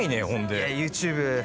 ＹｏｕＴｕｂｅ。